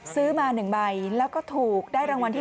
ซื้อมา๑ใบแล้วก็ถูกได้รางวัลที่๑